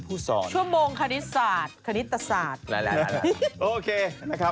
พรุ่งนี้เราเข้ามาวิเคราะห์กัน